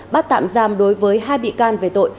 bắt tạm giam đối với hai bị can về tội